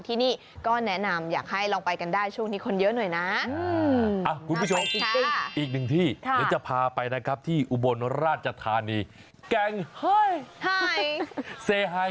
ที่นี่ก็แนะนำอยากให้ลองไปกันได้ช่วงที่คนเยอะหน่อยนะอีกที่จะพาไปนะครับที่บนราชธานีแกงไฮ